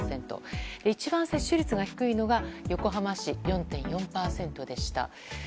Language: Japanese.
一番、接種率が低いのが横浜市の４．４％でした。